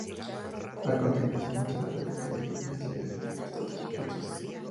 A continuación se muestran las diferencias de estos tres dulces.